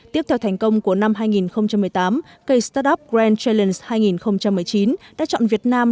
tiếp theo thành công của năm hai nghìn một mươi tám k start up grand challenge hai nghìn một mươi chín đã chọn việt nam